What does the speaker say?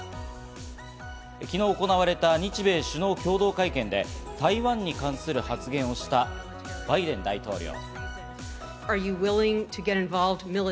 昨日行われた日米首脳共同会見で台湾に関する発言をしたバイデン大統領。